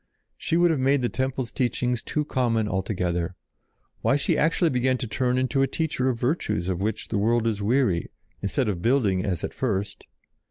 She would have made the temple teachings too common altogether. Why, she actually began to turn into a teacher of virtues of which the world is weary, instead of building as at first.